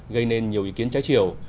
gây nên nhiều ý kiến trái chiều